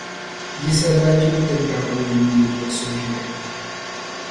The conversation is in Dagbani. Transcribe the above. Yisa daa chaŋ ti gbaagi o nuu ni yiɣis’ o ʒili.